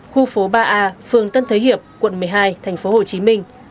khu phố ba a phường tân thới hiệp quận một mươi hai tp hcm